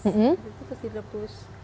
habis itu terus direpus